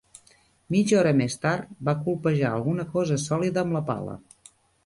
Mitja hora més tard, va colpejar alguna cosa sòlida amb la pala.